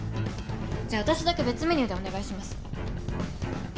じゃあ私だけ別メニューでお願いします。